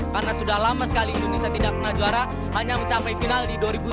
karena sudah lama sekali indonesia tidak pernah juara hanya mencapai final di dua ribu sepuluh